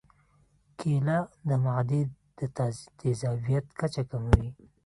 کېله د معدې د تیزابیت کچه کموي.